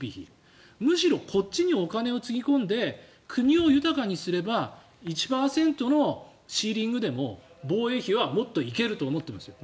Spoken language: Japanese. むしろこっちにお金をつぎ込んで国を豊かにすれば１％のシーリングでも、防衛費はもっと行けると思っていますよ。